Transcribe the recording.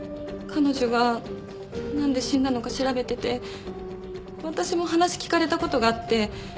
彼女がなんで死んだのか調べてて私も話聞かれた事があって。